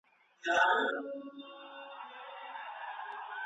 ولي کوښښ کوونکی د پوه سړي په پرتله لاره اسانه کوي؟